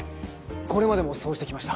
これまでもそうしてきました。